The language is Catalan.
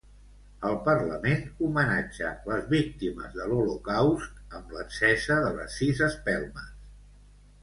El Parlament homenatja les víctimes de l'Holocaust amb l'encesa de les sis espelmes.